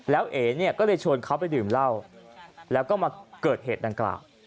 แล้วเอ๋เนี่ยก็เลยชวนเขาไปดื่มเหล้าแล้วก็มาเกิดเหตุดังกล่าว